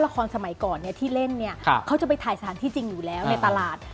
สมัยก่อนเนี่ยที่เล่นเนี่ยเขาจะไปถ่ายสถานที่จริงอยู่แล้วในตลาด